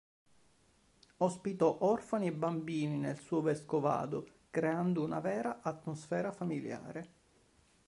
Ospitò orfani e bambini nel suo vescovado creando una vera atmosfera familiare.